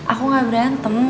aku gak berantem